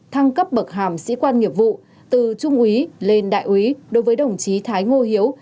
thăng cấp bậc hàm sĩ quan nghiệp vụ từ trung úy lên đại úy đối với đồng chí thái ngô hiếu